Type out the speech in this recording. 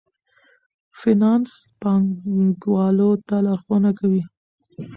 فینانس پانګوالو ته لارښوونه کوي.